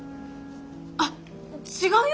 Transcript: あっ違うよ。